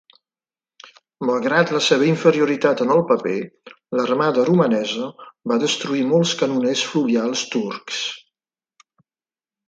Malgrat la seva inferioritat en el paper, l'Armada romanesa va destruir molts canoners fluvials turcs.